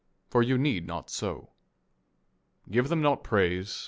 For you need not so. Give them not praise.